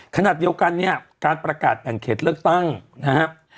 ขณะเดียวกันเนี่ยการประกาศแบ่งเขตเลือกตั้งนะครับ